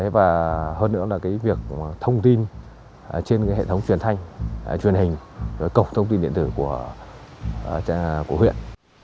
và hơn nữa là việc thông tin trên hệ thống truyền hình với cổng thông tin điện tử của huyện